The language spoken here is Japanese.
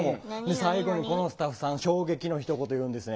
最後にこのスタッフさん衝撃のひと言言うんですね